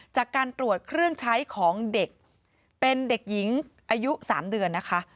จากการตรวจเครื่องใช้ของเด็กเป็นเด็กหญิงอายุ๓เดือนนะคะ